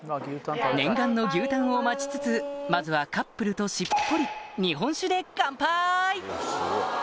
念願の牛たんを待ちつつまずはカップルとしっぽり日本酒でカンパイ！